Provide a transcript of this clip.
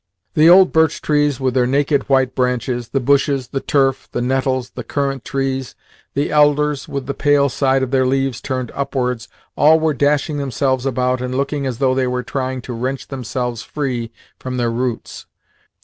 The old birch trees with their naked white branches, the bushes, the turf, the nettles, the currant trees, the elders with the pale side of their leaves turned upwards all were dashing themselves about, and looking as though they were trying to wrench themselves free from their roots.